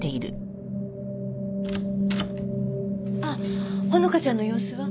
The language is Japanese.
あっ穂花ちゃんの様子は？